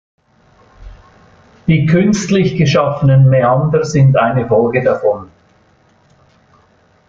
Die künstlich geschaffenen Mäander sind eine Folge davon.